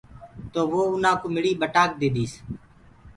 تو وو اُنآ ڪوُ مڙهيٚ ٻٽآڪ ديديس۔